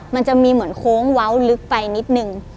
มันจะมีเหมือนโค้งเว้าลึกไปนิดนึง